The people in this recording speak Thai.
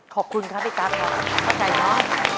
ขอบคุณครับพี่กั๊บขอบใจครับ